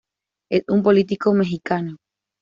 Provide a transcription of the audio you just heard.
Es un político mexicano.